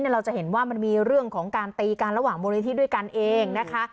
เราจะเห็นว่ามันมีเรื่องของการตีกันระหว่างมูลนิธิด้วยกันเองนะคะ